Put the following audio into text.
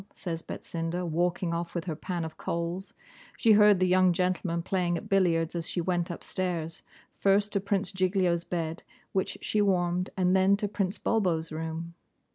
says Betsinda, walking off with her pan of coals. She heard the young gentlemen playing at billiards as she went upstairs: first to Prince Giglio's bed, which she warmed, and then to Prince Bulbo's room.